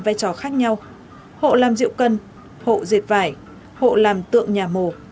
vai trò khác nhau hộ làm rượu cân hộ dệt vải hộ làm tượng nhà mổ